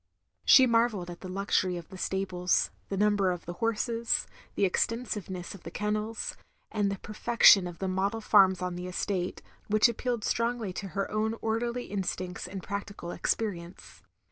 She marvelled at the luxtiry of the stables, the number of the horses, the extensiveness of the kennels, and the perfection of the model farms on the estate, which appealed strongly to her own orderiy instincts and practical experience.